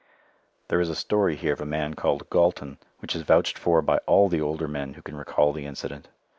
There is a story here of a man called Gaulton, which is vouched for by all the older men who can recall the incident.